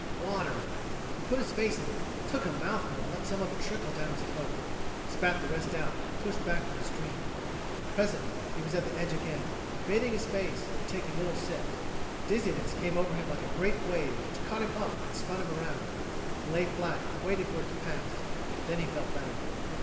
Water! He put his face in it, took a mouthful and let some of it trickle down his throat. He spat the rest out and pushed back from the stream. Presently he was at the edge again, bathing his face and taking little sips. Dizziness came over him like a great wave which caught him up and spun him around. He lay flat and waited for it to pass; then he felt better.